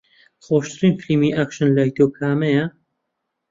خۆشترین فیلمی ئاکشن لای تۆ کامەیە؟